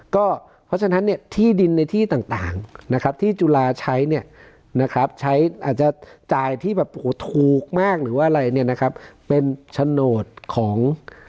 ก็เพราะฉะนั้นเนี่ยที่ดินในที่ต่างนะครับที่จุฬาใช้เนี่ยนะครับใช้อาจจะจ่ายที่แบบโอ้โหถูกมากหรือว่าอะไรเนี่ยนะครับเป็นโฉนดของ